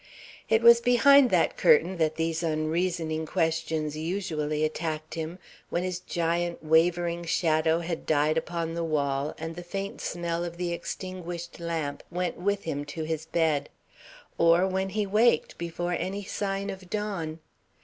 It was behind that curtain that these unreasoning questions usually attacked him, when his giant, wavering shadow had died upon the wall and the faint smell of the extinguished lamp went with him to his bed; or when he waked before any sign of dawn.